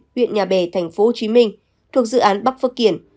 huyện nhà bè tp hcm thuộc dự án bắc phước kiển